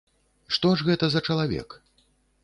Што ж гэта за чалавек?